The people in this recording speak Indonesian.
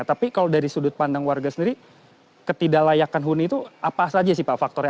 tapi kalau dari sudut pandang warga sendiri ketidaklayakan huni itu apa saja sih pak faktornya